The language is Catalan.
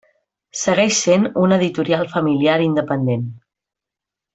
Segueix sent una editorial familiar independent.